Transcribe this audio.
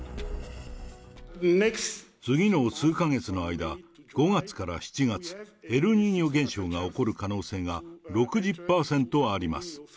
次の数か月の間、５月から７月、エルニーニョ現象が起こる可能性が６０％あります。